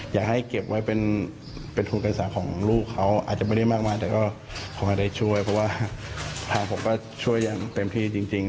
อยากให้เก็บไว้เป็นทุนการศึกษาของลูกเขาอาจจะไม่ได้มากมายแต่ก็คงไม่ได้ช่วยเพราะว่าทางผมก็ช่วยอย่างเต็มที่จริง